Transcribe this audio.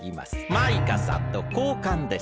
マイカさんとこうかんです。